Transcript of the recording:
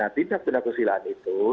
tindak pidana kesisilaan itu